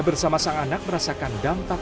terganggu nggak sih pak